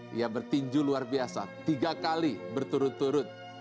dia bertinju luar biasa tiga kali berturut turut